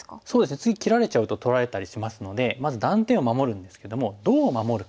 次切られちゃうと取られたりしますのでまず断点を守るんですけどもどう守るか。